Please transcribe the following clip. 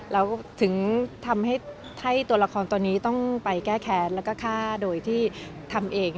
แล้วถึงทำให้ตัวละครตัวนี้ต้องไปแก้แค้นแล้วก็ฆ่าโดยที่ทำเอง